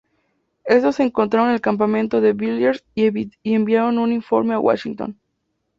Estos encontraron el campamento de Villiers y enviaron un informe a Washington.